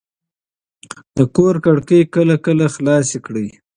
د کور کړکۍ کله کله خلاصې کړئ.